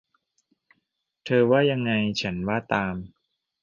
เธอว่ายังไง ฉันว่าตาม